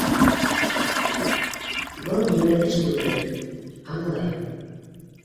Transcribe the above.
Был еңел эш түгел, аңлайым.